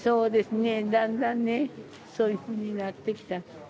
だんだんね、そういうふうになってきた。